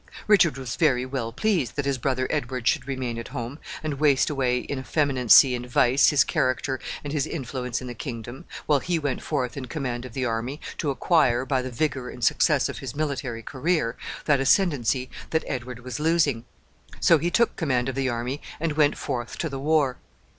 Richard was very well pleased that his brother Edward should remain at home, and waste away in effeminacy and vice his character and his influence in the kingdom, while he went forth in command of the army, to acquire, by the vigor and success of his military career, that ascendency that Edward was losing. So he took the command of the army and went forth to the war.